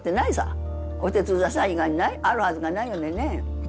お手伝いさん以外にないあるはずがないのでねえ。